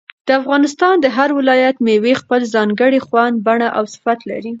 د افغانستان د هر ولایت مېوې خپل ځانګړی خوند، بڼه او صفت لري.